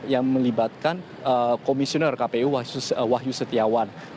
yang melibatkan komisioner kpu wahyu setiawan